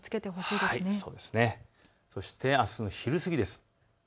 そして、あすの昼過ぎです。